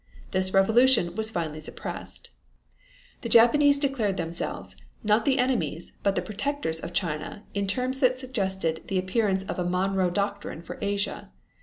This revolution was finally suppressed. The Japanese declared themselves, not the enemies, but the protectors of China in terms that suggested the appearance of a Monroe Doctrine for Asia.